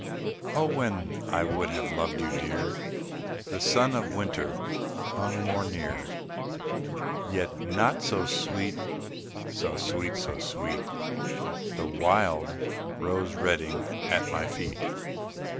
Oh, when I would have loved you, Dear, The sun of winter hung more near; Yet not so sweet, so sweet, so sweet, The wild rose reddening at my feet.